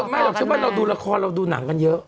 ไม่เราดูละครเราดูหนังกันเยอะ